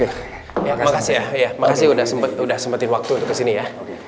makasih ya makasih udah sempetin waktu untuk kesini ya